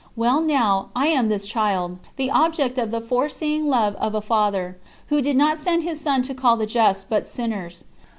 Well now, I am this child, the object of the foreseeing love of a Father "Who did not send His son to call the just, but sinners."